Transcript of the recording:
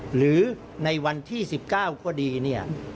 หรือในวันที่๑๙ก็ดีเนี่ย